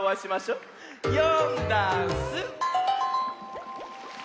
「よんだんす」